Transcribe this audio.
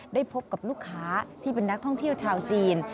ได้พบกับลูกค้าที่เป็นนักท่องเที่ยวชาวจีน